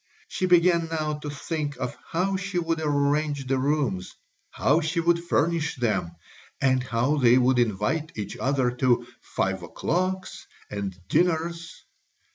She began now to think of how she would arrange the rooms, how she would furnish them, and how they would invite each other to "five o'clocks" and dinners.